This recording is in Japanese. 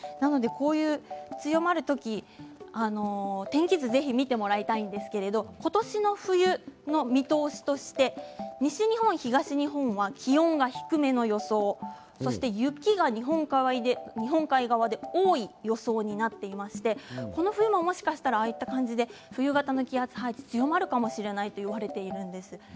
風が強まる時天気図をぜひ見てもらいたいんですけれども今年の冬の見通しとして西日本東日本は気温が低めの予想そして雪が日本海側で多い予想になっていましてこの冬ももしかしたらああいう感じで冬型の気圧配置が強まるかもしれないと言われているんです。